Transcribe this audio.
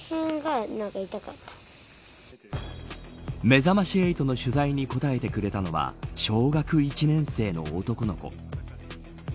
めざまし８の取材に答えてくれたのは小学１年生の男の子。